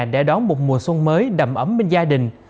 để đón một mùa xuân mới đầm ấm bên gia đình